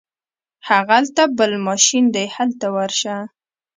هغلته بل ماشین دی هلته ورشه.